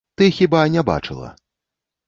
Ты хіба не бачыла?